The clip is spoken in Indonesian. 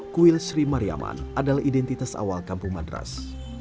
kuil sri mariaman adalah identitas awal kampung madras